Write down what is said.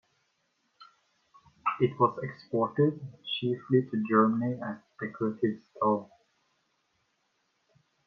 It was exported chiefly to Germany as decorative stone.